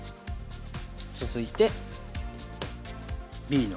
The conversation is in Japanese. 続いてＢの。